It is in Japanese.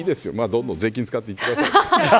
どんどん税金使ってください。